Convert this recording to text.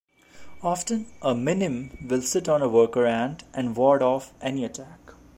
Often, a minim will sit on a worker ant and ward off any attack.